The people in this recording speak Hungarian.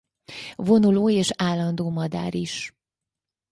Vonuló és állandó madár is.